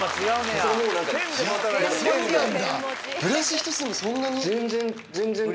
そうなんだ、全然。